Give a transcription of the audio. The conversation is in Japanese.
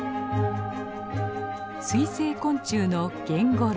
水生昆虫のゲンゴロウ。